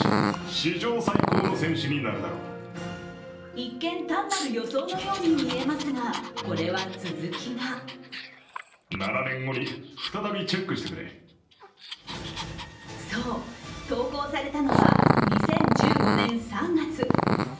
一見、単なる予想のように見えますが、これは続きがそう、投稿されたのは２０１５年３月。